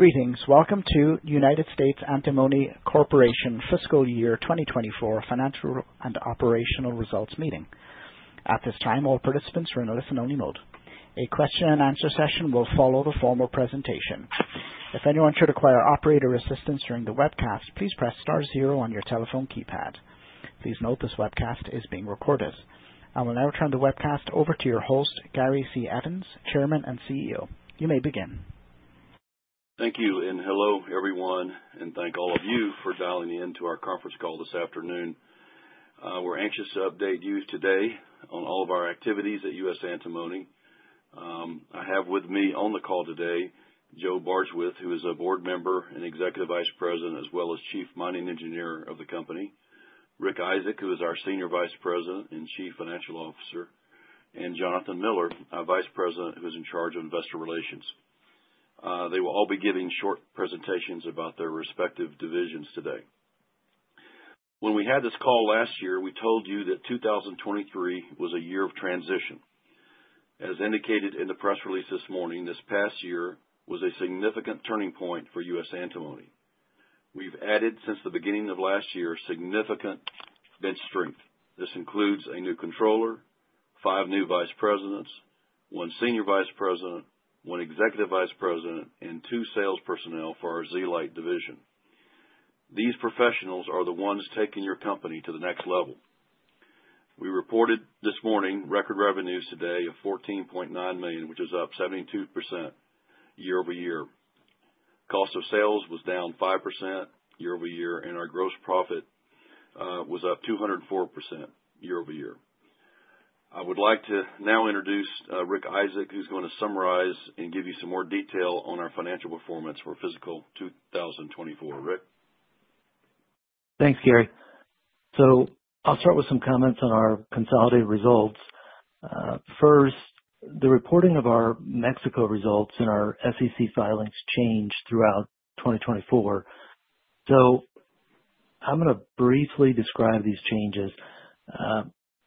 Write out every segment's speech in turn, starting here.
Greetings. Welcome to United States Antimony Corporation Fiscal Year 2024 Financial and Operational Results Meeting. At this time, all participants are in a listen-only mode. A question-and-answer session will follow the formal presentation. If anyone should require operator assistance during the webcast, please press star zero on your telephone keypad. Please note this webcast is being recorded. I will now turn the webcast over to your host, Gary C. Evans, Chairman and CEO. You may begin. Thank you and hello, everyone, and thank all of you for dialing into our conference call this afternoon. We're anxious to update you today on all of our activities at U.S. Antimony. I have with me on the call today Joe Bardswich, who is a Board Member and Executive Vice President, as well as Chief Mining Engineer of the company, Rick Isaak, who is our Senior Vice President and Chief Financial Officer, and Jonathan Miller, our Vice President who is in charge of Investor Relations. They will all be giving short presentations about their respective divisions today. When we had this call last year, we told you that 2023 was a year of transition. As indicated in the press release this morning, this past year was a significant turning point for U.S. Antimony. We've added, since the beginning of last year, significant bench strength. This includes a new controller, five new vice presidents, one senior vice president, one executive vice president, and two sales personnel for our zeolite division. These professionals are the ones taking your company to the next level. We reported this morning record revenues today of $14.9 million, which is up 72% year-over-year. Cost of sales was down 5% year-over-year, and our gross profit was up 204% year over year. I would like to now introduce Rick Isaak, who's going to summarize and give you some more detail on our financial performance for fiscal 2024. Rick. Thanks, Gary. I'll start with some comments on our consolidated results. First, the reporting of our Mexico results and our SEC filings changed throughout 2024. I'm going to briefly describe these changes.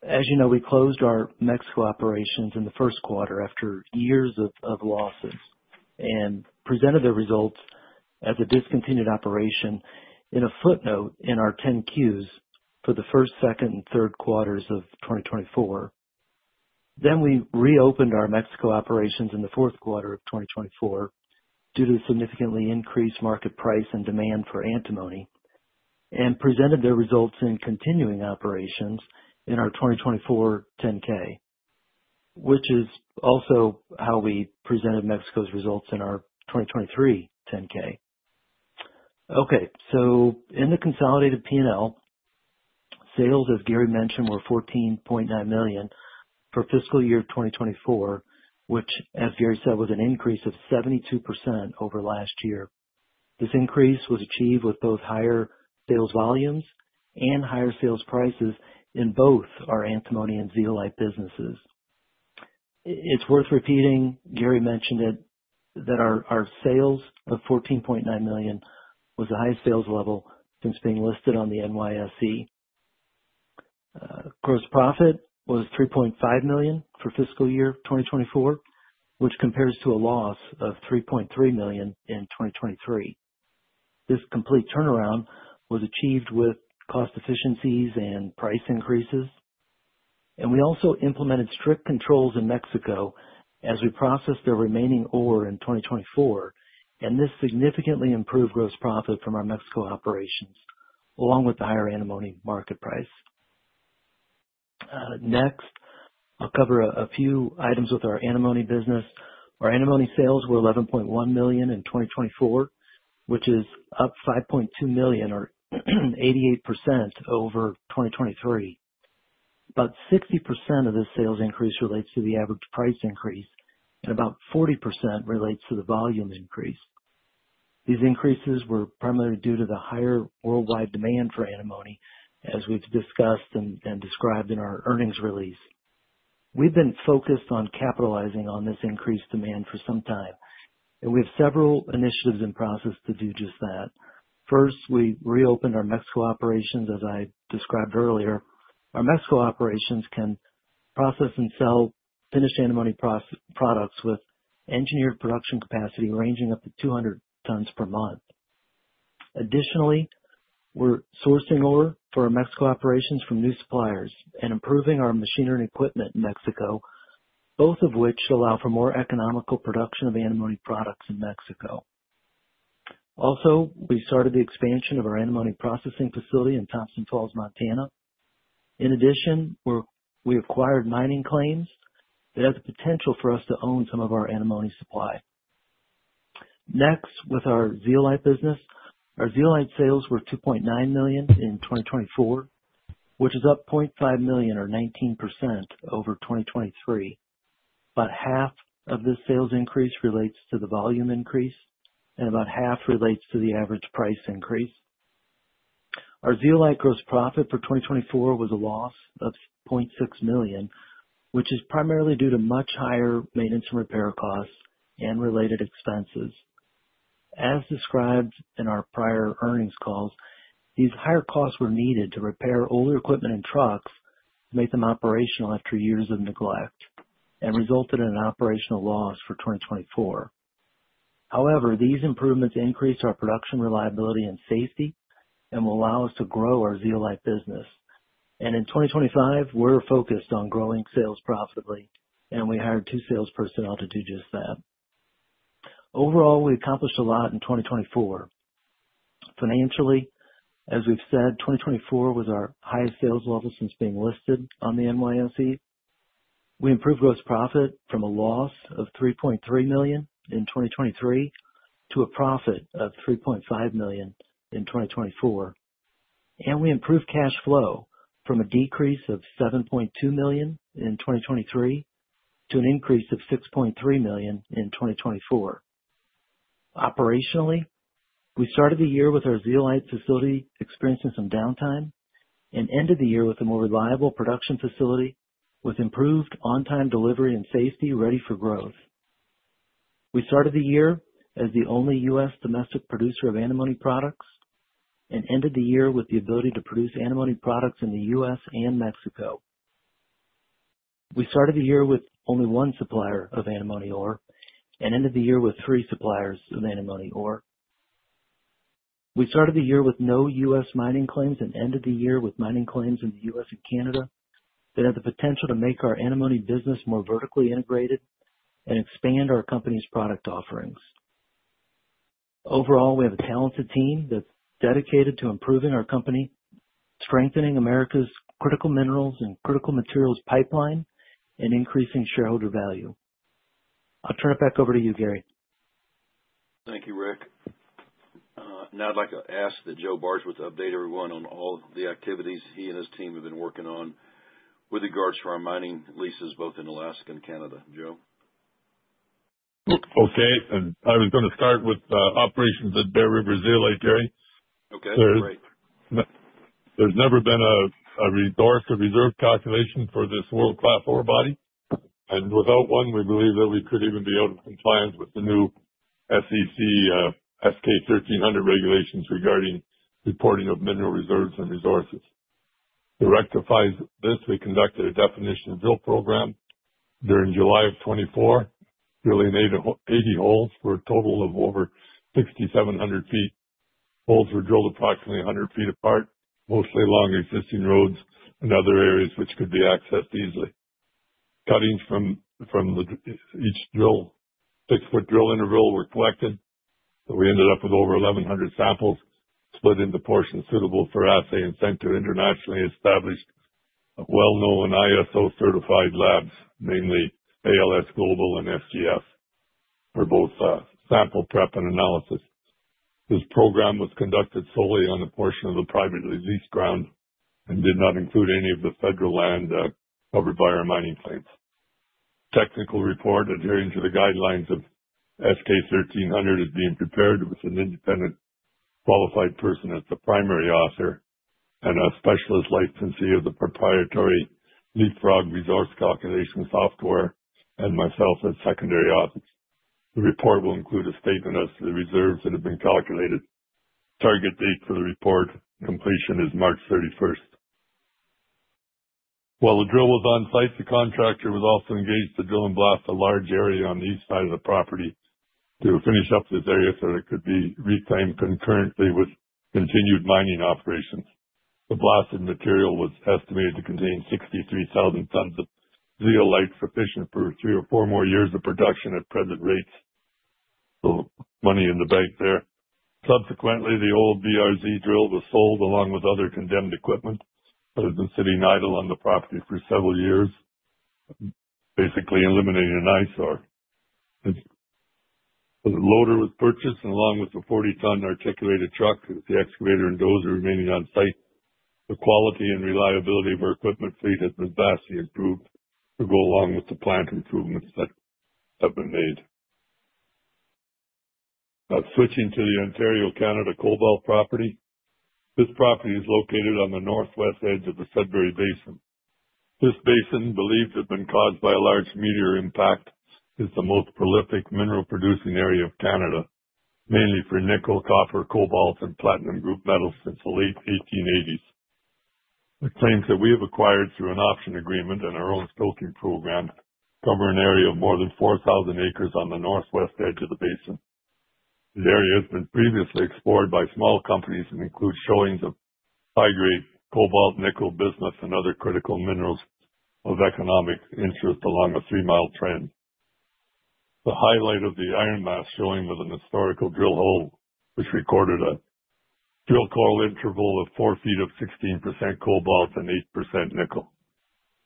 As you know, we closed our Mexico operations in the first quarter after years of losses and presented the results as a discontinued operation in a footnote in our 10-Qs for the first, second, and third quarters of 2024. We reopened our Mexico operations in the fourth quarter of 2024 due to the significantly increased market price and demand for antimony and presented the results in continuing operations in our 2024 10-K, which is also how we presented Mexico's results in our 2023 10-K. In the consolidated P&L, sales, as Gary mentioned, were $14.9 million for fiscal year 2024, which, as Gary said, was an increase of 72% over last year. This increase was achieved with both higher sales volumes and higher sales prices in both our antimony and zeolite businesses. It's worth repeating, Gary mentioned it, that our sales of $14.9 million was the highest sales level since being listed on the NYSE. Gross profit was $3.5 million for fiscal year 2024, which compares to a loss of $3.3 million in 2023. This complete turnaround was achieved with cost efficiencies and price increases. We also implemented strict controls in Mexico as we processed the remaining ore in 2024, and this significantly improved gross profit from our Mexico operations, along with the higher antimony market price. Next, I'll cover a few items with our antimony business. Our antimony sales were $11.1 million in 2024, which is up $5.2 million, or 88% over 2023. About 60% of this sales increase relates to the average price increase, and about 40% relates to the volume increase. These increases were primarily due to the higher worldwide demand for antimony, as we've discussed and described in our earnings release. We've been focused on capitalizing on this increased demand for some time, and we have several initiatives in process to do just that. First, we reopened our Mexico operations, as I described earlier. Our Mexico operations can process and sell finished antimony products with engineered production capacity ranging up to 200 tons per month. Additionally, we're sourcing ore for our Mexico operations from new suppliers and improving our machinery and equipment in Mexico, both of which allow for more economical production of antimony products in Mexico. Also, we started the expansion of our antimony processing facility in Thompson Falls, Montana. In addition, we acquired mining claims that have the potential for us to own some of our antimony supply. Next, with our zeolite business, our zeolite sales were $2.9 million in 2024, which is up $0.5 million, or 19% over 2023. About half of this sales increase relates to the volume increase, and about half relates to the average price increase. Our zeolite gross profit for 2024 was a loss of $0.6 million, which is primarily due to much higher maintenance and repair costs and related expenses. As described in our prior earnings calls, these higher costs were needed to repair older equipment and trucks to make them operational after years of neglect and resulted in an operational loss for 2024. However, these improvements increased our production reliability and safety and will allow us to grow our zeolite business. In 2025, we're focused on growing sales profitably, and we hired two sales personnel to do just that. Overall, we accomplished a lot in 2024. Financially, as we've said, 2024 was our highest sales level since being listed on the NYSE. We improved gross profit from a loss of $3.3 million in 2023 to a profit of $3.5 million in 2024. We improved cash flow from a decrease of $7.2 million in 2023 to an increase of $6.3 million in 2024. Operationally, we started the year with our zeolite facility experiencing some downtime and ended the year with a more reliable production facility with improved on-time delivery and safety ready for growth. We started the year as the only U.S. domestic producer of antimony products and ended the year with the ability to produce antimony products in the U.S. and Mexico. We started the year with only one supplier of antimony ore and ended the year with three suppliers of antimony ore. We started the year with no U.S. mining claims and ended the year with mining claims in the U.S. and Canada that have the potential to make our antimony business more vertically integrated and expand our company's product offerings. Overall, we have a talented team that's dedicated to improving our company, strengthening America's critical minerals and critical materials pipeline, and increasing shareholder value. I'll turn it back over to you, Gary. Thank you, Rick. Now I'd like to ask that Joe Bardswich update everyone on all the activities he and his team have been working on with regards to our mining leases both in Alaska and Canada. Joe? Okay. I was going to start with operations at Bear River Zeolite, Gary. Okay. Great. There's never been a resource or reserve calculation for this world-class ore body. Without one, we believe that we couldn't even be able to comply with the new SEC S-K 1300 regulations regarding reporting of mineral reserves and resources. To rectify this, we conducted a definition drill program during July of 2024, drilling 80 holes for a total of over 6,700 ft. Holes were drilled approximately 100 ft apart, mostly along existing roads and other areas which could be accessed easily. Cuttings from each drill, six-foot drill interval, were collected. We ended up with over 1,100 samples split into portions suitable for assay and sent to internationally established, well-known ISO-certified labs, mainly ALS Global and SGS, for both sample prep and analysis. This program was conducted solely on a portion of the privately leased ground and did not include any of the federal land covered by our mining claims. Technical report adhering to the guidelines of S-K 1300 is being prepared with an independent qualified person as the primary author and a specialist licensee of the proprietary Leapfrog resource calculation software and myself as secondary authors. The report will include a statement as to the reserves that have been calculated. Target date for the report completion is March 31st. While the drill was on site, the contractor was also engaged to drill and blast a large area on the east side of the property to finish up this area so that it could be reclaimed concurrently with continued mining operations. The blasted material was estimated to contain 63,000 tons of zeolite sufficient for three or four more years of production at present rates. Money in the bank there. Subsequently, the old BRZ drill was sold along with other condemned equipment that has been sitting idle on the property for several years, basically eliminating an eyesore. The loader was purchased, and along with the 40-ton articulated truck with the excavator and dozer remaining on site, the quality and reliability of our equipment fleet has been vastly improved to go along with the plant improvements that have been made. Now switching to the Ontario, Canada cobalt property. This property is located on the northwest edge of the Sudbury Basin. This basin, believed to have been caused by a large meteor impact, is the most prolific mineral-producing area of Canada, mainly for nickel, copper, cobalt, and platinum group metals since the late 1880s. The claims that we have acquired through an option agreement and our own staking program cover an area of more than 4,000 acres on the northwest edge of the basin. The area has been previously explored by small companies and includes showings of high-grade cobalt, nickel, bismuth, and other critical minerals of economic interest along a three-mile trend. The highlight of the Iron Mask showing was a historical drill hole, which recorded a drill core interval of four feet of 16% cobalt and 8% nickel.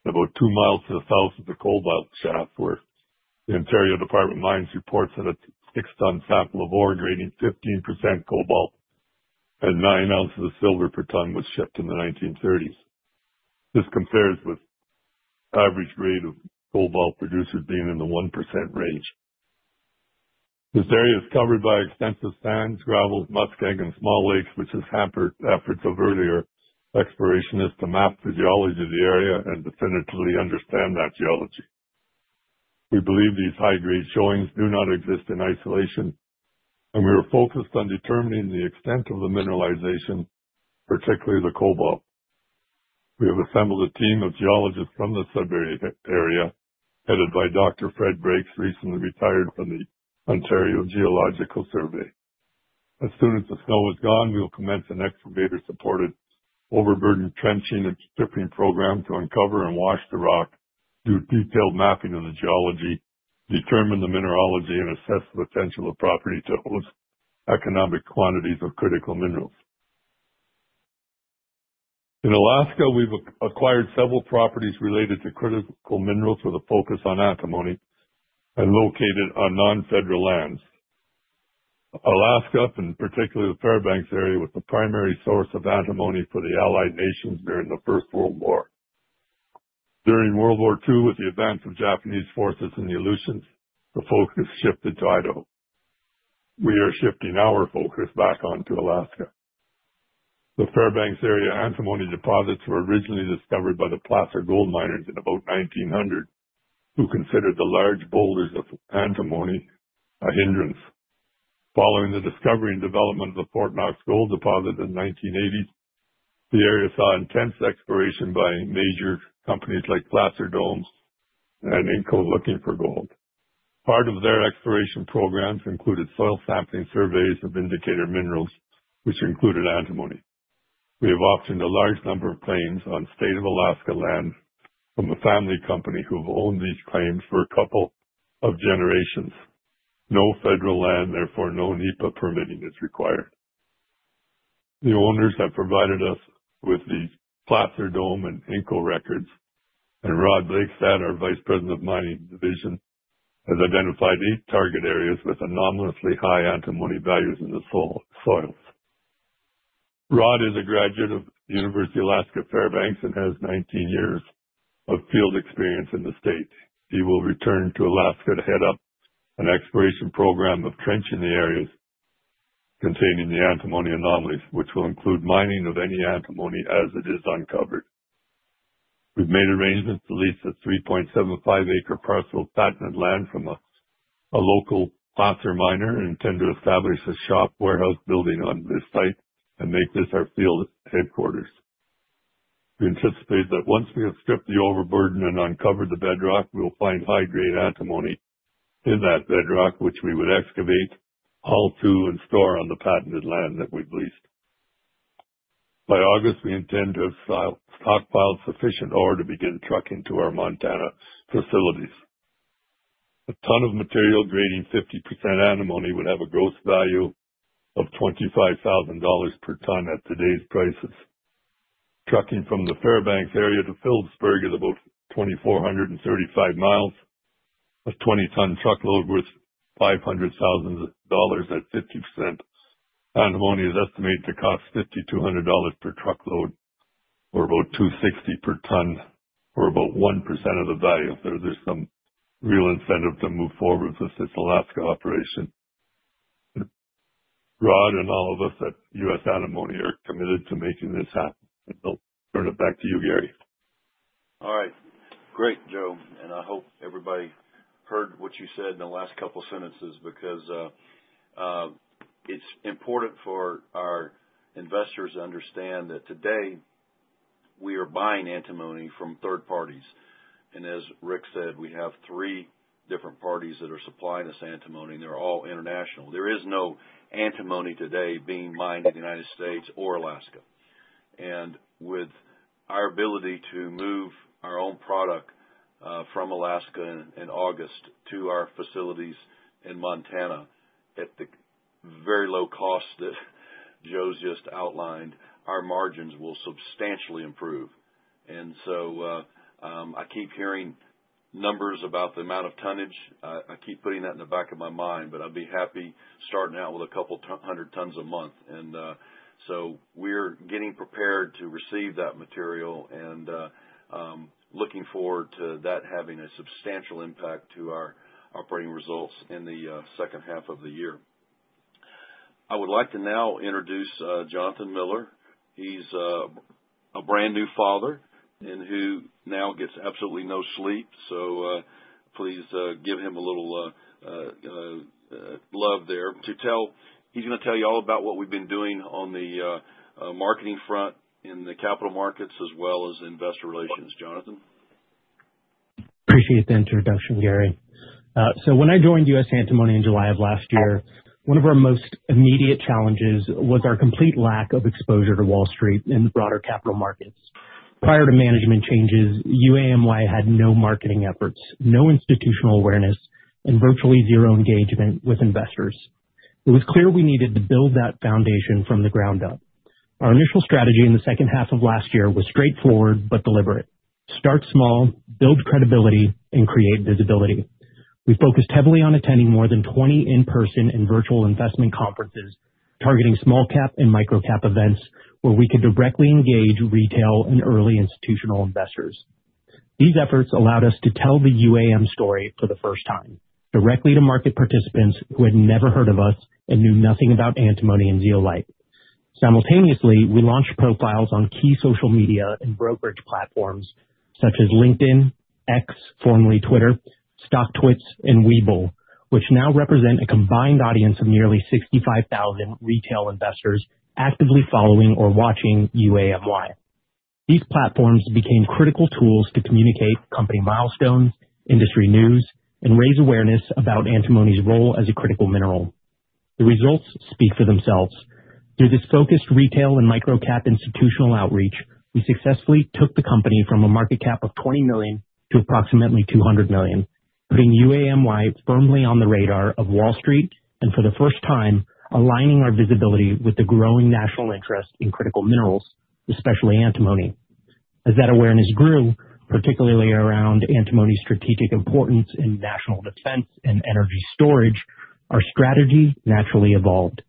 About two miles to the south of the cobalt shaft, the Ontario Department of Mines reports that a six-ton sample of ore grading 15% cobalt and nine ounces of silver per ton was shipped in the 1930s. This compares with average grade of cobalt producers being in the 1% range. This area is covered by extensive sands, gravel, muskeg, and small lakes, which has hampered efforts of earlier explorationists to map the physiography of the area and definitively understand that geology. We believe these high-grade showings do not exist in isolation, and we are focused on determining the extent of the mineralization, particularly the cobalt. We have assembled a team of geologists from the Sudbury area, headed by Dr. Fred Breaks, recently retired from the Ontario Geological Survey. As soon as the snow is gone, we will commence an excavator-supported overburden trenching and stripping program to uncover and wash the rock, do detailed mapping of the geology, determine the mineralogy, and assess the potential of the property to host economic quantities of critical minerals. In Alaska, we've acquired several properties related to critical minerals with a focus on antimony and located on non-federal lands. Alaska, and particularly the Fairbanks area, was the primary source of antimony for the Allied nations during the First World War. During World War II, with the advance of Japanese forces in the Aleutians, the focus shifted to Idaho. We are shifting our focus back onto Alaska. The Fairbanks area antimony deposits were originally discovered by the placer gold miners in about 1900, who considered the large boulders of antimony a hindrance. Following the discovery and development of the Fort Knox Gold Deposit in the 1980s, the area saw intense exploration by major companies like Placer Dome and Inco looking for gold. Part of their exploration programs included soil sampling surveys of indicator minerals, which included antimony. We have optioned a large number of claims on State of Alaska land from a family company who have owned these claims for a couple of generations. No federal land, therefore no NEPA permitting is required. The owners have provided us with the Placer Dome and Inco records, and Rod Blakestad, our Vice President of Mining Division, has identified eight target areas with anomalously high antimony values in the soils. Rod is a graduate of the University of Alaska Fairbanks and has 19 years of field experience in the state. He will return to Alaska to head up an exploration program of trenching the areas containing the antimony anomalies, which will include mining of any antimony as it is uncovered. We've made arrangements to lease a 3.75-acre parcel of patented land from a local placer miner and intend to establish a shop warehouse building on this site and make this our field headquarters. We anticipate that once we have stripped the overburden and uncovered the bedrock, we will find high-grade antimony in that bedrock, which we would excavate, haul to, and store on the patented land that we've leased. By August, we intend to have stockpiled sufficient ore to begin trucking to our Montana facilities. A ton of material grading 50% antimony would have a gross value of $25,000 per ton at today's prices. Trucking from the Fairbanks area to Philipsburg is about 2,435 mi. A 20-ton truckload worth $500,000 at 50% antimony is estimated to cost $5,200 per truckload or about $260 per ton or about 1% of the value. There is some real incentive to move forward with this Alaska operation. Rod and all of us at U.S. Antimony are committed to making this happen. I'll turn it back to you, Gary. All right. Great, Joe. I hope everybody heard what you said in the last couple of sentences because it's important for our investors to understand that today we are buying antimony from third parties. As Rick said, we have three different parties that are supplying us antimony, and they're all international. There is no antimony today being mined in the United States or Alaska. With our ability to move our own product from Alaska in August to our facilities in Montana at the very low cost that Joe's just outlined, our margins will substantially improve. I keep hearing numbers about the amount of tonnage. I keep putting that in the back of my mind, but I'd be happy starting out with a couple hundred tons a month. We are getting prepared to receive that material and looking forward to that having a substantial impact to our operating results in the second half of the year. I would like to now introduce Jonathan Miller. He is a brand new father and who now gets absolutely no sleep. So please give him a little love there. He is going to tell you all about what we have been doing on the marketing front in the capital markets as well as investor relations. Jonathan? Appreciate the introduction, Gary. When I joined U.S. Antimony in July of last year, one of our most immediate challenges was our complete lack of exposure to Wall Street and the broader capital markets. Prior to management changes, UAMY had no marketing efforts, no institutional awareness, and virtually zero engagement with investors. It was clear we needed to build that foundation from the ground up. Our initial strategy in the second half of last year was straightforward but deliberate: start small, build credibility, and create visibility. We focused heavily on attending more than 20 in-person and virtual investment conferences targeting small-cap and micro-cap events where we could directly engage retail and early institutional investors. These efforts allowed us to tell the UAMY story for the first time, directly to market participants who had never heard of us and knew nothing about antimony and zeolite. Simultaneously, we launched profiles on key social media and brokerage platforms such as LinkedIn, X, formerly Twitter, StockTwits, and Webull, which now represent a combined audience of nearly 65,000 retail investors actively following or watching UAMY. These platforms became critical tools to communicate company milestones, industry news, and raise awareness about antimony's role as a critical mineral. The results speak for themselves. Through this focused retail and micro-cap institutional outreach, we successfully took the company from a market cap of $20 million to approximately $200 million, putting UAMY firmly on the radar of Wall Street and, for the first time, aligning our visibility with the growing national interest in critical minerals, especially antimony. As that awareness grew, particularly around antimony's strategic importance in national defense and energy storage, our strategy naturally evolved.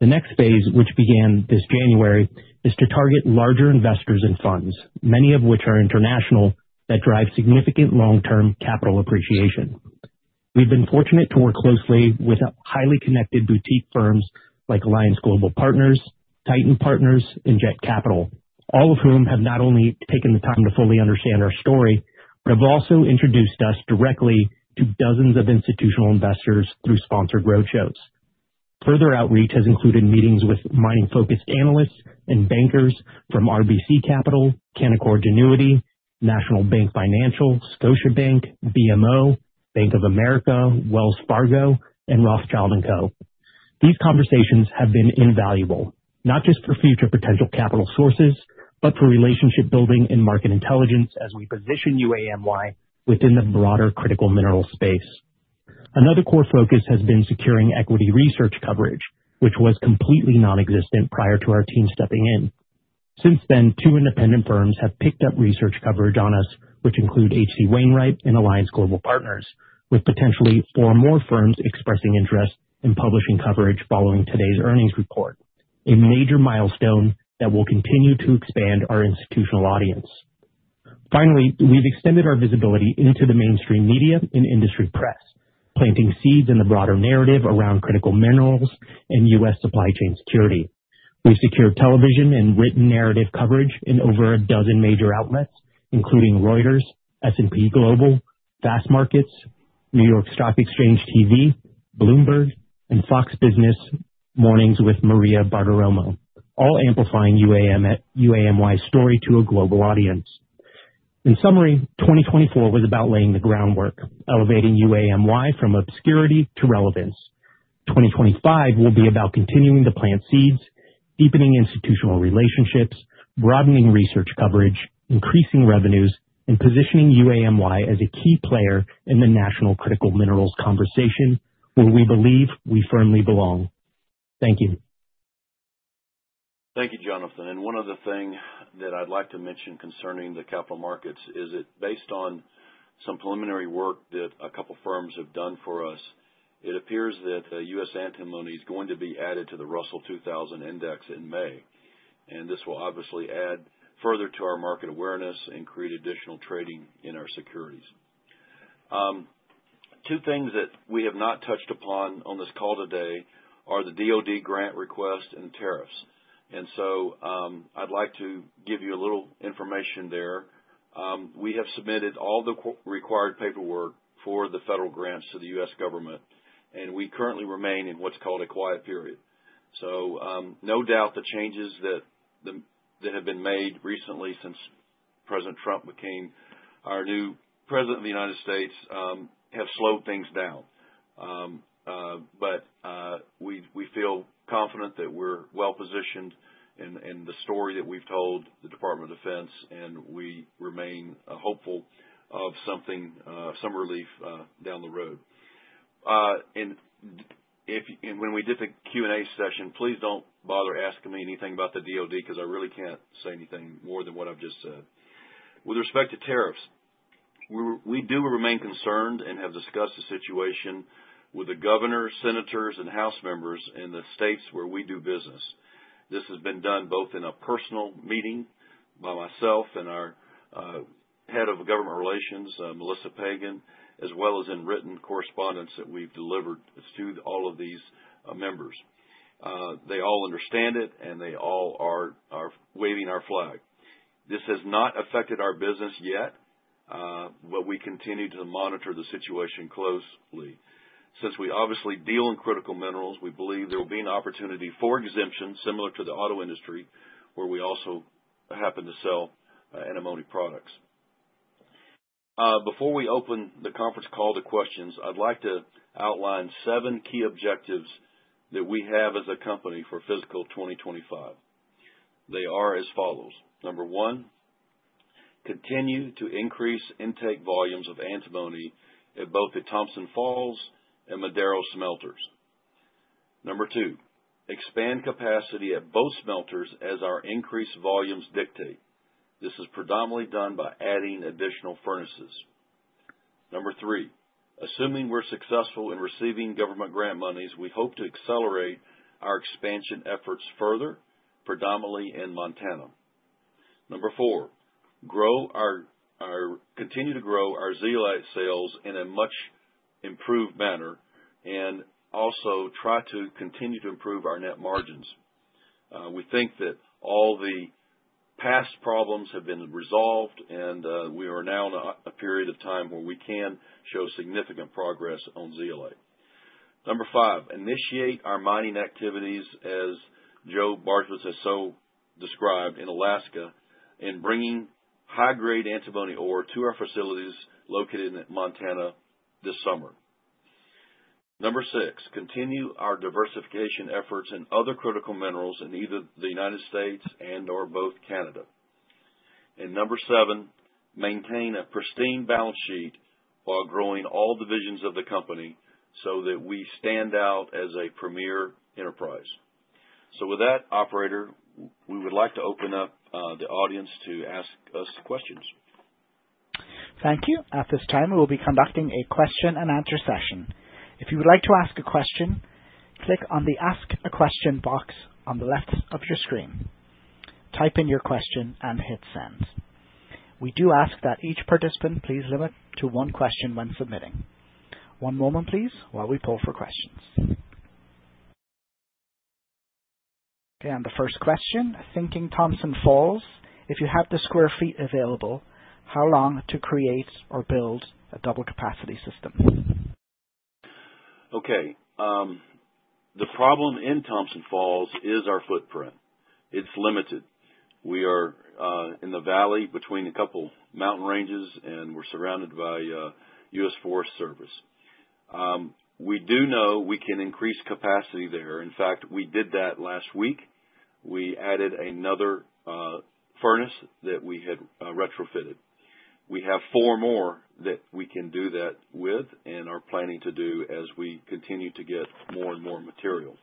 The next phase, which began this January, is to target larger investors and funds, many of which are international, that drive significant long-term capital appreciation. We've been fortunate to work closely with highly connected boutique firms like Alliance Global Partners, Titan Partners, and Jett Capital, all of whom have not only taken the time to fully understand our story, but have also introduced us directly to dozens of institutional investors through sponsored roadshows. Further outreach has included meetings with mining-focused analysts and bankers from RBC Capital, National Bank Financial, Scotiabank, BMO, Bank of America, Wells Fargo, and Rothschild & Co. These conversations have been invaluable, not just for future potential capital sources, but for relationship building and market intelligence as we position UAMY within the broader critical mineral space. Another core focus has been securing equity research coverage, which was completely nonexistent prior to our team stepping in. Since then, two independent firms have picked up research coverage on us, which include H.C. Wainwright and Alliance Global Partners, with potentially four more firms expressing interest in publishing coverage following today's earnings report, a major milestone that will continue to expand our institutional audience. Finally, we've extended our visibility into the mainstream media and industry press, planting seeds in the broader narrative around critical minerals and U.S. supply chain security. We've secured television and written narrative coverage in over a dozen major outlets, including Reuters, S&P Global, Fastmarkets, New York Stock Exchange TV, Bloomberg, and Fox Business Mornings with Maria Bartiromo, all amplifying UAMY's story to a global audience. In summary, 2024 was about laying the groundwork, elevating UAMY from obscurity to relevance. 2025 will be about continuing to plant seeds, deepening institutional relationships, broadening research coverage, increasing revenues, and positioning UAMY as a key player in the national critical minerals conversation where we believe we firmly belong. Thank you. Thank you, Jonathan. One other thing that I'd like to mention concerning the capital markets is that based on some preliminary work that a couple of firms have done for us, it appears that U.S. Antimony is going to be added to the Russell 2000 Index in May. This will obviously add further to our market awareness and create additional trading in our securities. Two things that we have not touched upon on this call today are the DOD grant request and tariffs. I'd like to give you a little information there. We have submitted all the required paperwork for the federal grants to the U.S. government, and we currently remain in what's called a quiet period. No doubt the changes that have been made recently since President Trump became our new president of the United States have slowed things down. We feel confident that we're well positioned in the story that we've told the Department of Defense, and we remain hopeful of some relief down the road. When we did the Q&A session, please don't bother asking me anything about the DOD because I really can't say anything more than what I've just said. With respect to tariffs, we do remain concerned and have discussed the situation with the governor, senators, and house members in the states where we do business. This has been done both in a personal meeting by myself and our Head of Government Relations, Melissa Pagan, as well as in written correspondence that we've delivered to all of these members. They all understand it, and they all are waving our flag. This has not affected our business yet, but we continue to monitor the situation closely. Since we obviously deal in critical minerals, we believe there will be an opportunity for exemptions similar to the auto industry where we also happen to sell antimony products. Before we open the conference call to questions, I'd like to outline seven key objectives that we have as a company for fiscal 2025. They are as follows. Number one, continue to increase intake volumes of antimony at both the Thompson Falls and Madero smelters. Number two, expand capacity at both smelters as our increased volumes dictate. This is predominantly done by adding additional furnaces. Number three, assuming we're successful in receiving government grant monies, we hope to accelerate our expansion efforts further, predominantly in Montana. Number four, continue to grow our zeolite sales in a much improved manner and also try to continue to improve our net margins. We think that all the past problems have been resolved, and we are now in a period of time where we can show significant progress on zeolite. Number five, initiate our mining activities, as Joe Bardswich has so described, in Alaska and bringing high-grade antimony ore to our facilities located in Montana this summer. Number six, continue our diversification efforts in other critical minerals in either the United States and/or both Canada. Number seven, maintain a pristine balance sheet while growing all divisions of the company so that we stand out as a premier enterprise. With that, operator, we would like to open up the audience to ask us questions. Thank you. At this time, we will be conducting a question-and-answer session. If you would like to ask a question, click on the Ask a Question box on the left of your screen. Type in your question and hit Send. We do ask that each participant please limit to one question when submitting. One moment, please, while we pull for questions. Okay. The first question, thinking Thompson Falls, if you have the sq ft available, how long to create or build a double-capacity system? Okay. The problem in Thompson Falls is our footprint. It's limited. We are in the valley between a couple of mountain ranges, and we're surrounded by U.S. Forest Service. We do know we can increase capacity there. In fact, we did that last week. We added another furnace that we had retrofitted. We have four more that we can do that with and are planning to do as we continue to get more and more material.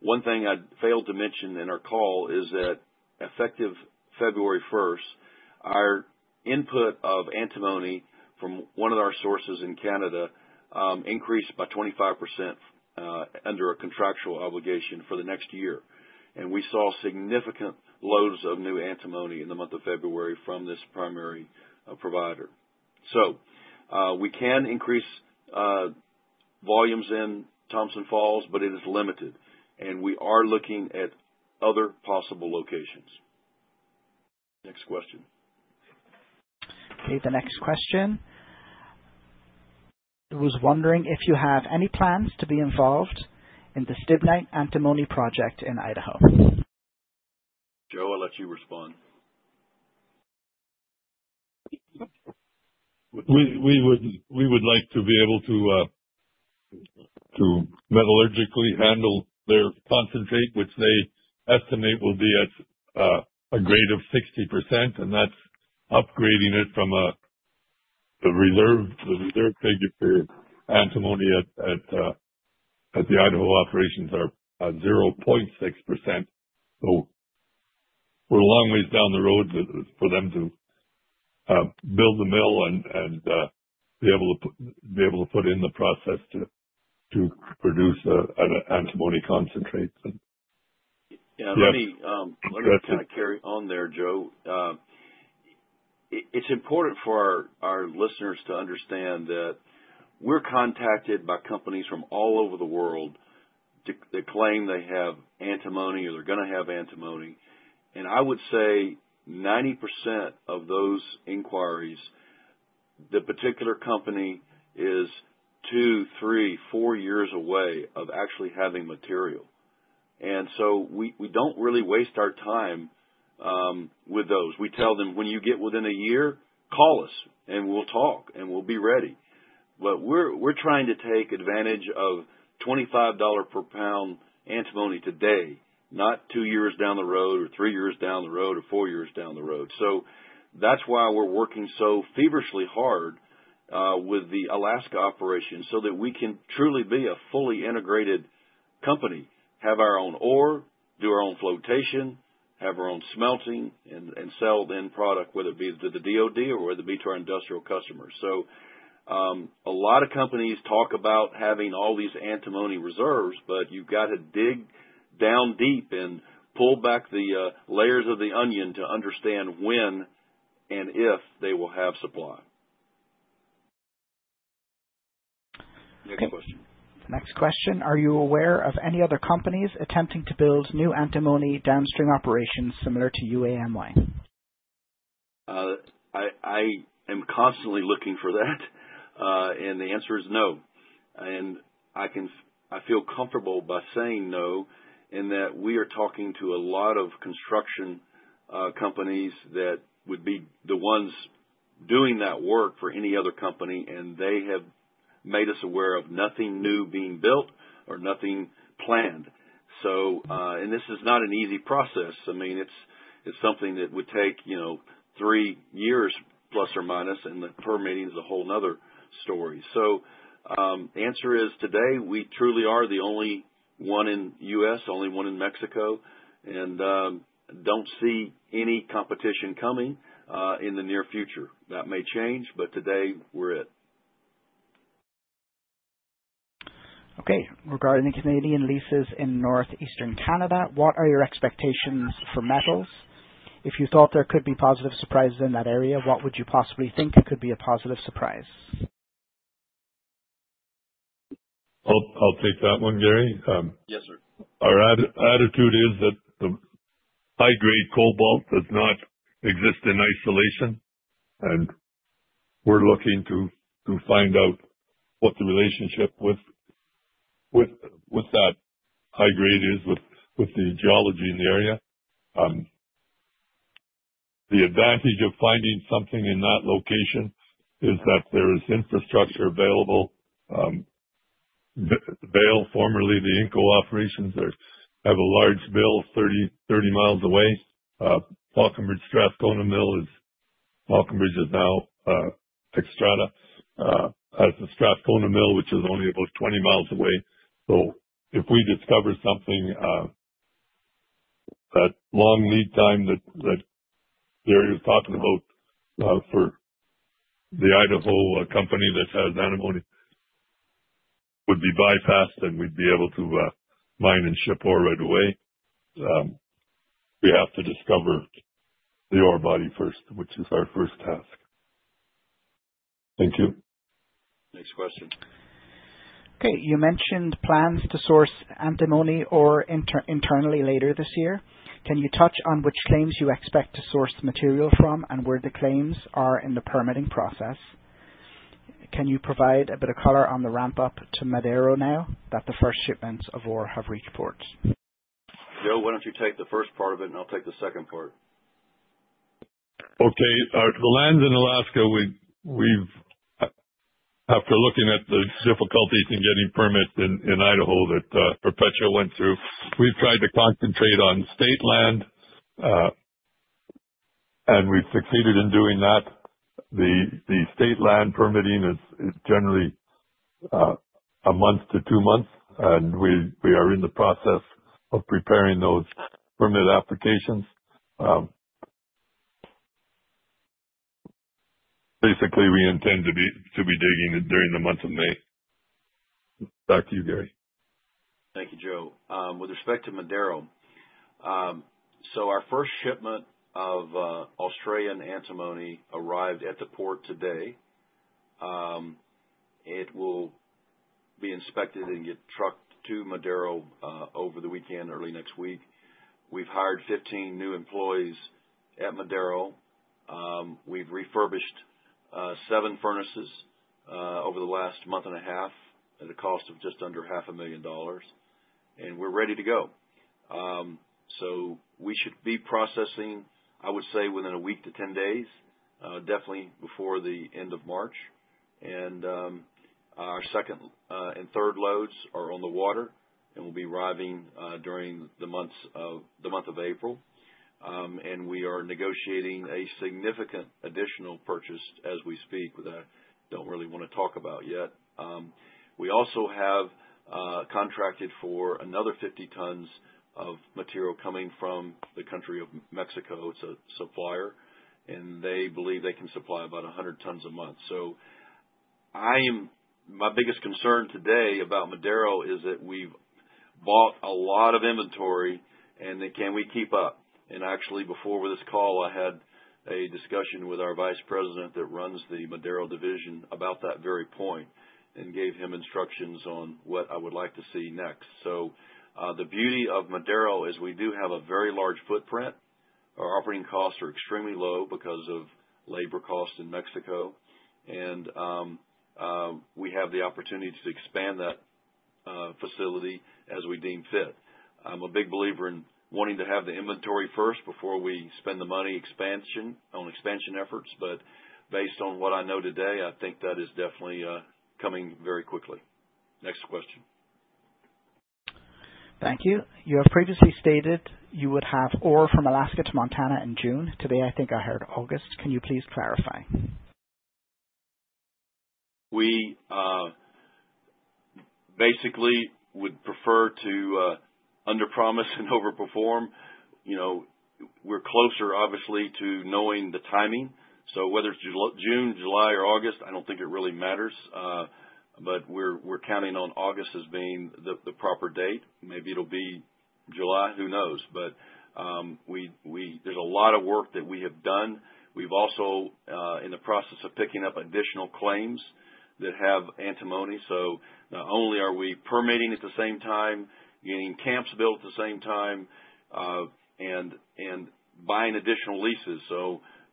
One thing I failed to mention in our call is that effective February 1st, our input of antimony from one of our sources in Canada increased by 25% under a contractual obligation for the next year. We saw significant loads of new antimony in the month of February from this primary provider. We can increase volumes in Thompson Falls, but it is limited. We are looking at other possible locations. Next question. Okay. The next question. It was wondering if you have any plans to be involved in the Stibnite antimony project in Idaho. Joe, I'll let you respond. We would like to be able to metallurgically handle their concentrate, which they estimate will be at a grade of 60%, and that's upgrading it from the reserve figure for antimony at the Idaho operations are 0.6%. We are a long ways down the road for them to build the mill and be able to put in the process to produce an antimony concentrate. Yeah. Let me kind of carry on there, Joe. It's important for our listeners to understand that we're contacted by companies from all over the world that claim they have antimony or they're going to have antimony. I would say 90% of those inquiries, the particular company is two, three, four years away of actually having material. We don't really waste our time with those. We tell them, "When you get within a year, call us and we'll talk and we'll be ready." We're trying to take advantage of $25 per pound antimony today, not two years down the road or three years down the road or four years down the road. That is why we're working so feverishly hard with the Alaska operation so that we can truly be a fully integrated company, have our own ore, do our own flotation, have our own smelting, and sell the end product, whether it be to the DOD or whether it be to our industrial customers. A lot of companies talk about having all these antimony reserves, but you've got to dig down deep and pull back the layers of the onion to understand when and if they will have supply. Next question. The next question, are you aware of any other companies attempting to build new antimony downstream operations similar to UAMY? I am constantly looking for that, and the answer is no. I feel comfortable by saying no in that we are talking to a lot of construction companies that would be the ones doing that work for any other company, and they have made us aware of nothing new being built or nothing planned. This is not an easy process. I mean, it's something that would take three years plus or minus, and the permitting is a whole another story. The answer is today, we truly are the only one in the U.S., only one in Mexico, and do not see any competition coming in the near future. That may change, but today we're it. Okay. Regarding the Canadian leases in northeastern Canada, what are your expectations for metals? If you thought there could be positive surprises in that area, what would you possibly think could be a positive surprise? I'll take that one, Gary. Yes, sir. Our attitude is that the high-grade cobalt does not exist in isolation, and we're looking to find out what the relationship with that high-grade is with the geology in the area. The advantage of finding something in that location is that there is infrastructure available. Vale, formerly the Inco operations, have a large mill 30 mi away. Falconbridge Strathcona Mill is Falconbridge is now Xstrata has the Strathcona Mill, which is only about 20 mi away. If we discover something, that long lead time that Gary was talking about for the Idaho company that has antimony would be bypassed, then we'd be able to mine and ship ore right away. We have to discover the ore body first, which is our first task. Thank you. Next question. Okay. You mentioned plans to source antimony ore internally later this year. Can you touch on which claims you expect to source material from and where the claims are in the permitting process? Can you provide a bit of color on the ramp-up to Madero now that the first shipments of ore have reached ports? Joe, why don't you take the first part of it, and I'll take the second part. Okay. The lands in Alaska, after looking at the difficulties in getting permits in Idaho that Perpetua went through, we've tried to concentrate on state land, and we've succeeded in doing that. The state land permitting is generally a month to two months, and we are in the process of preparing those permit applications. Basically, we intend to be digging during the month of May. Back to you, Gary. Thank you, Joe. With respect to Madero, our first shipment of Australian antimony arrived at the port today. It will be inspected and get trucked to Madero over the weekend, early next week. We have hired 15 new employees at Madero. We have refurbished seven furnaces over the last month and a half at a cost of just under $500,000, and we are ready to go. We should be processing, I would say, within a week to 10 days, definitely before the end of March. Our second and third loads are on the water and will be arriving during the month of April. We are negotiating a significant additional purchase as we speak that I do not really want to talk about yet. We also have contracted for another 50 tons of material coming from the country of Mexico. It's a supplier, and they believe they can supply about 100 tons a month. My biggest concern today about Madero is that we've bought a lot of inventory, and can we keep up? Actually, before this call, I had a discussion with our Vice President that runs the Madero division about that very point and gave him instructions on what I would like to see next. The beauty of Madero is we do have a very large footprint. Our operating costs are extremely low because of labor costs in Mexico, and we have the opportunity to expand that facility as we deem fit. I'm a big believer in wanting to have the inventory first before we spend the money on expansion efforts, but based on what I know today, I think that is definitely coming very quickly. Next question. Thank you. You have previously stated you would have ore from Alaska to Montana in June. Today, I think I heard August. Can you please clarify? We basically would prefer to underpromise and overperform. We're closer, obviously, to knowing the timing. Whether it's June, July, or August, I don't think it really matters, but we're counting on August as being the proper date. Maybe it'll be July. Who knows? There's a lot of work that we have done. We've also been in the process of picking up additional claims that have antimony. Not only are we permitting at the same time, getting camps built at the same time, and buying additional leases.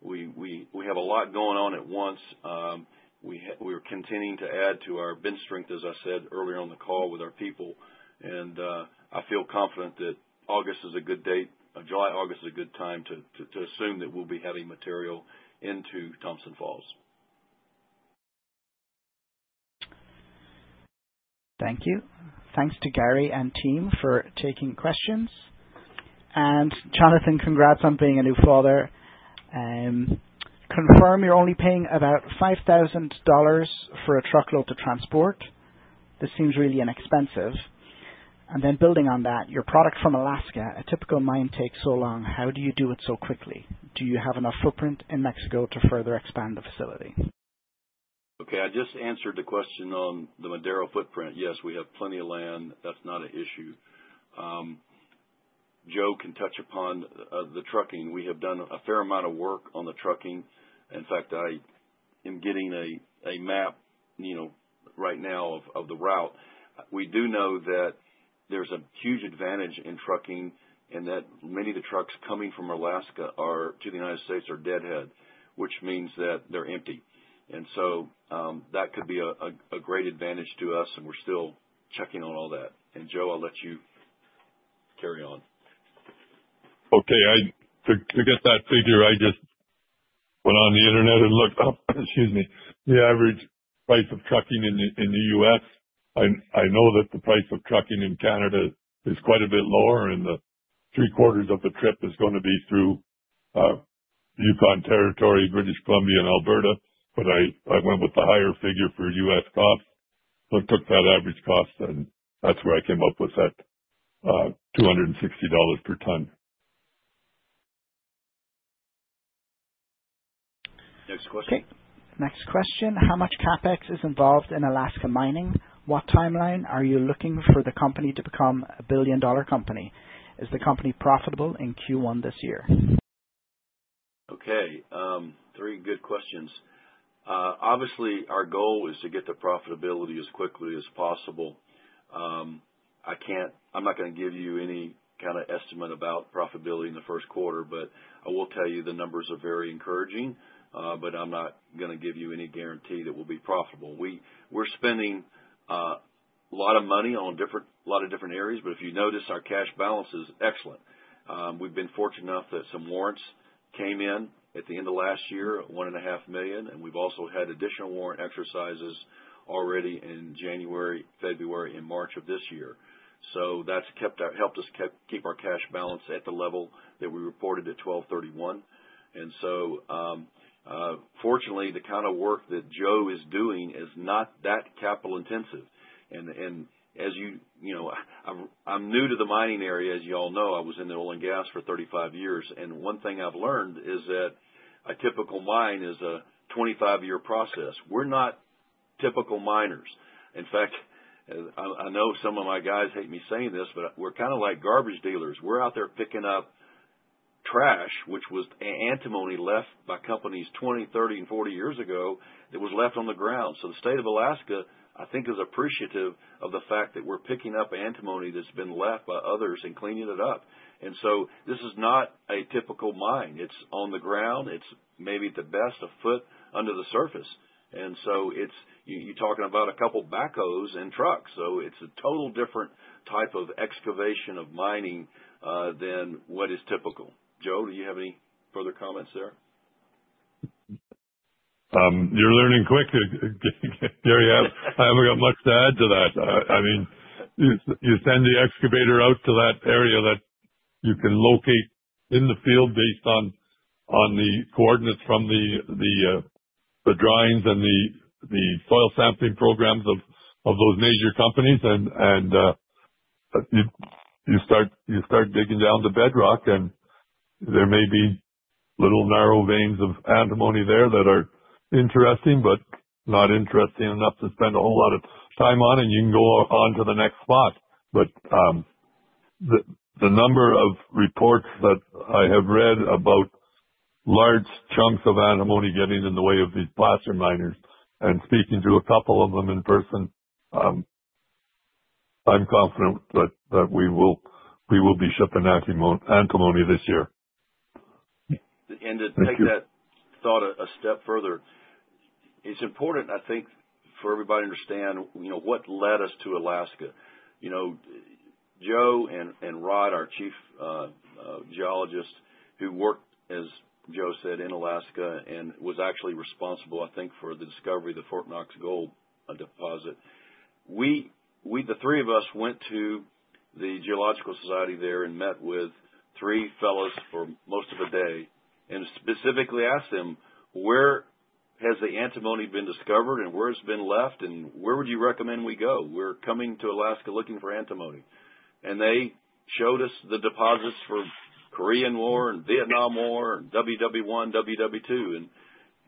We have a lot going on at once. We are continuing to add to our bench strength, as I said earlier on the call with our people, and I feel confident that August is a good date. July/August is a good time to assume that we'll be having material into Thompson Falls. Thank you. Thanks to Gary and team for taking questions. Jonathan, congrats on being a new father. Confirm you're only paying about $5,000 for a truckload to transport. This seems really inexpensive. Building on that, your product from Alaska, a typical mine takes so long. How do you do it so quickly? Do you have enough footprint in Mexico to further expand the facility? Okay. I just answered the question on the Madero footprint. Yes, we have plenty of land. That's not an issue. Joe can touch upon the trucking. We have done a fair amount of work on the trucking. In fact, I am getting a map right now of the route. We do know that there's a huge advantage in trucking and that many of the trucks coming from Alaska to the United States are deadhead, which means that they're empty. That could be a great advantage to us, and we're still checking on all that. Joe, I'll let you carry on. Okay. To get that figure, I just went on the internet and looked up, excuse me, the average price of trucking in the U.S. I know that the price of trucking in Canada is quite a bit lower, and three-quarters of the trip is going to be through Yukon Territory, British Columbia, and Alberta, but I went with the higher figure for U.S. cost. I took that average cost, and that's where I came up with that $260 per ton. Next question. Okay. Next question. How much CapEx is involved in Alaska mining? What timeline are you looking for the company to become a billion-dollar company? Is the company profitable in Q1 this year? Okay. Three good questions. Obviously, our goal is to get to profitability as quickly as possible. I'm not going to give you any kind of estimate about profitability in the first quarter, but I will tell you the numbers are very encouraging, but I'm not going to give you any guarantee that we'll be profitable. We're spending a lot of money on a lot of different areas, but if you notice, our cash balance is excellent. We've been fortunate enough that some warrants came in at the end of last year, $1.5 million, and we've also had additional warrant exercises already in January, February, and March of this year. That has helped us keep our cash balance at the level that we reported at 12/31. Fortunately, the kind of work that Joe is doing is not that capital-intensive. As you know, I'm new to the mining area. As you all know, I was in oil and gas for 35 years, and one thing I've learned is that a typical mine is a 25-year process. We're not typical miners. In fact, I know some of my guys hate me saying this, but we're kind of like garbage dealers. We're out there picking up trash, which was antimony left by companies 20, 30, and 40 years ago that was left on the ground. The state of Alaska, I think, is appreciative of the fact that we're picking up antimony that's been left by others and cleaning it up. This is not a typical mine. It's on the ground. It's maybe the best a foot under the surface. You're talking about a couple of backhoes and trucks. It is a total different type of excavation of mining than what is typical. Joe, do you have any further comments there? You're learning quick. Gary, I haven't got much to add to that. I mean, you send the excavator out to that area that you can locate in the field based on the coordinates from the drawings and the soil sampling programs of those major companies, and you start digging down to the bedrock, and there may be little narrow veins of antimony there that are interesting but not interesting enough to spend a whole lot of time on, and you can go on to the next spot. The number of reports that I have read about large chunks of antimony getting in the way of these placer miners, and speaking to a couple of them in person, I'm confident that we will be shipping antimony this year. To take that thought a step further, it's important, I think, for everybody to understand what led us to Alaska. Joe and Rod, our Chief Geologist, who worked, as Joe said, in Alaska and was actually responsible, I think, for the discovery of the Fort Knox Gold deposit. The three of us went to the Geological Society there and met with three fellows for most of a day and specifically asked them, "Where has the antimony been discovered, and where has it been left, and where would you recommend we go? We're coming to Alaska looking for antimony." They showed us the deposits for Korean War and Vietnam War and World War I, World War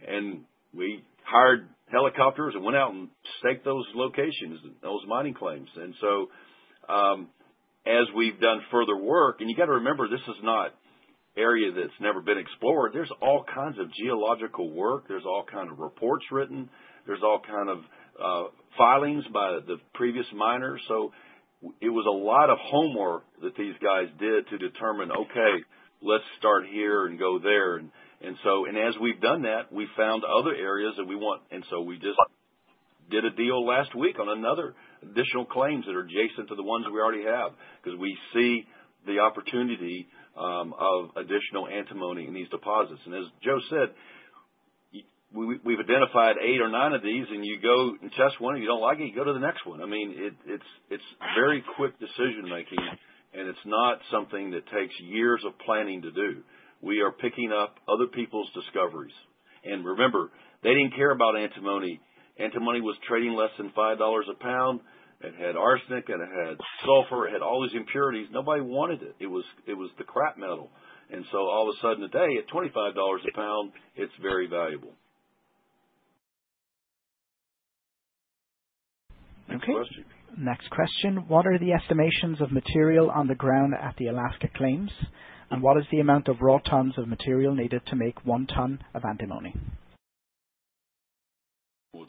II. We hired helicopters and went out and staked those locations, those mining claims. As we've done further work, and you got to remember, this is not an area that's never been explored. There's all kinds of geological work. There's all kinds of reports written. There's all kinds of filings by the previous miners. It was a lot of homework that these guys did to determine, "Okay, let's start here and go there." As we've done that, we found other areas that we want. We just did a deal last week on another additional claims that are adjacent to the ones we already have because we see the opportunity of additional antimony in these deposits. As Joe said, we've identified eight or nine of these, and you go and test one. If you don't like it, you go to the next one. I mean, it's very quick decision-making, and it's not something that takes years of planning to do. We are picking up other people's discoveries. Remember, they didn't care about antimony. Antimony was trading less than $5 a pound. It had arsenic, and it had sulfur. It had all these impurities. Nobody wanted it. It was the crap metal. All of a sudden, today, at $25 a pound, it's very valuable. Okay. Next question. What are the estimations of material on the ground at the Alaska claims, and what is the amount of raw tons of material needed to make one ton of antimony?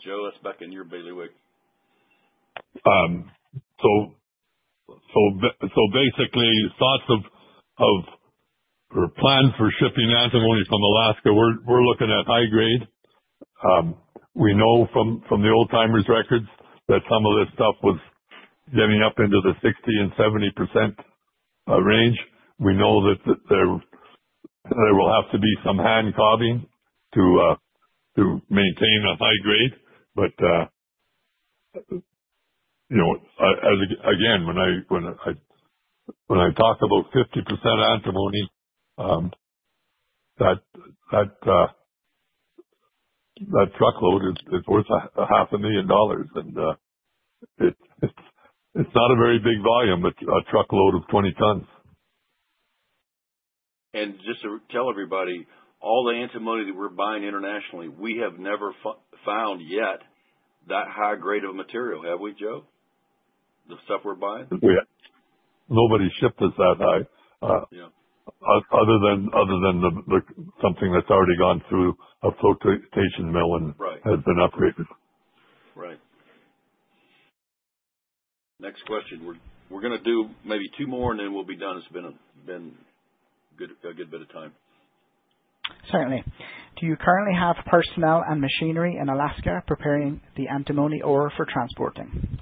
Joe, I'll back in your bailiwick. Basically, thoughts of or plans for shipping antimony from Alaska, we're looking at high grade. We know from the old-timers' records that some of this stuff was getting up into the 60%-70% range. We know that there will have to be some hand-cobbing to maintain a high grade. Again, when I talk about 50% antimony, that truckload is worth $500,000, and it's not a very big volume, but a truckload of 20 tons. Just to tell everybody, all the antimony that we're buying internationally, we have never found yet that high grade of material. Have we, Joe? The stuff we're buying? Nobody shipped us that high other than something that's already gone through a flotation mill and has been upgraded. Right. Next question. We're going to do maybe two more, and then we'll be done. It's been a good bit of time. Certainly. Do you currently have personnel and machinery in Alaska preparing the antimony ore for transporting?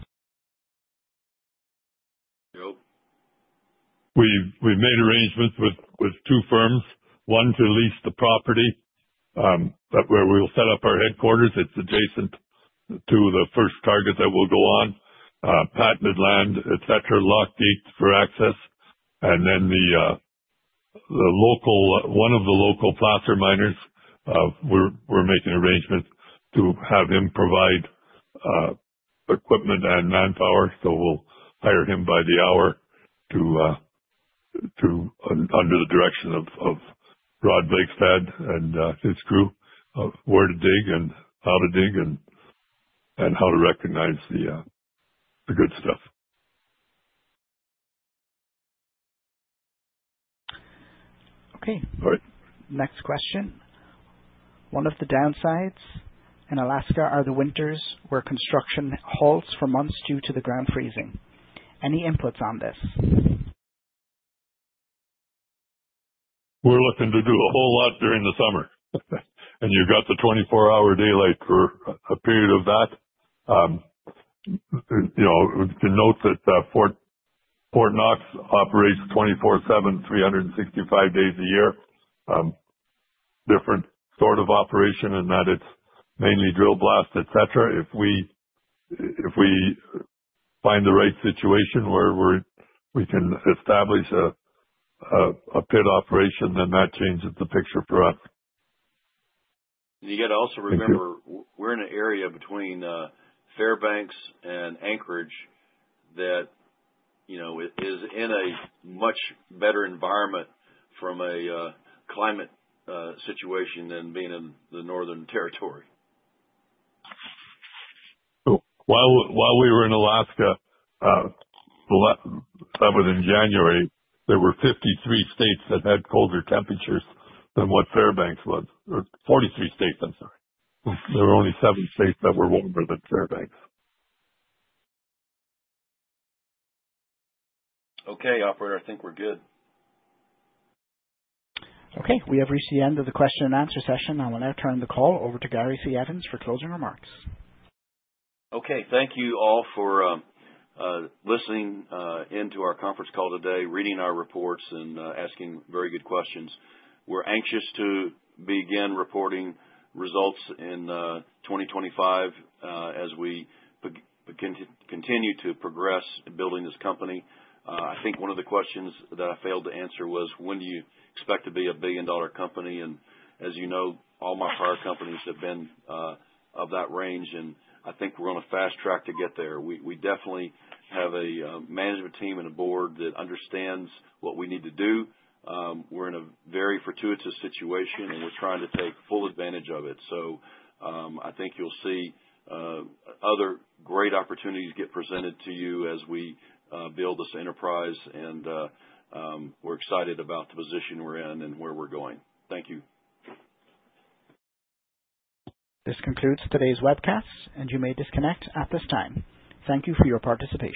Joe? We've made arrangements with two firms. One to lease the property where we'll set up our headquarters. It's adjacent to the first target that we'll go on, patented land, etc., located for access. One of the local placer miners, we're making arrangements to have him provide equipment and manpower. We'll hire him by the hour under the direction of Rod Blakestad and his crew of where to dig and how to dig and how to recognize the good stuff. Okay. Next question. One of the downsides in Alaska are the winters where construction halts for months due to the ground freezing. Any inputs on this? We're looking to do a whole lot during the summer, and you've got the 24-hour daylight for a period of that. To note that Fort Knox operates 24/7, 365 days a year, different sort of operation in that it's mainly drill blast, etc. If we find the right situation where we can establish a pit operation, then that changes the picture for us. You got to also remember, we're in an area between Fairbanks and Anchorage that is in a much better environment from a climate situation than being in the Northern Territory. While we were in Alaska, that was in January, there were 53 states that had colder temperatures than what Fairbanks was. Or 43 states, I'm sorry. There were only seven states that were warmer than Fairbanks. Okay, Operator. I think we're good. Okay. We have reached the end of the question-and-answer session. I'm going to turn the call over to Gary C. Evans for closing remarks. Okay. Thank you all for listening into our conference call today, reading our reports, and asking very good questions. We're anxious to begin reporting results in 2025 as we continue to progress in building this company. I think one of the questions that I failed to answer was, "When do you expect to be a billion-dollar company?" As you know, all my prior companies have been of that range, and I think we're on a fast track to get there. We definitely have a management team and a board that understands what we need to do. We're in a very fortuitous situation, and we're trying to take full advantage of it. I think you'll see other great opportunities get presented to you as we build this enterprise, and we're excited about the position we're in and where we're going. Thank you. This concludes today's webcast, and you may disconnect at this time. Thank you for your participation.